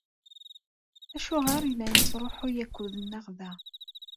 Acuɣer i la nesṛuḥuy akud-nneɣ da?